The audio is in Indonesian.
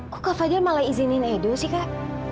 kok kak fajar malah izinin edo sih kak